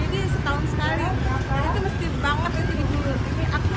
selain rasanya yang enak asinan di komplek perumahan villa regensi ii ini juga dikenal bersih